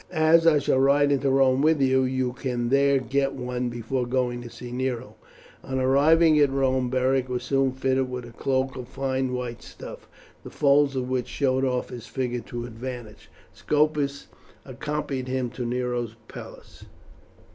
As I shall ride into Rome with you, you can there get one before going to see Nero." On arriving at Rome Beric was soon fitted with a cloak of fine white stuff, the folds of which showed off his figure to advantage. Scopus accompanied him to Nero's palace.